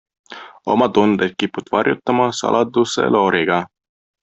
Oma tundeid kipud varjutama saladuselooriga.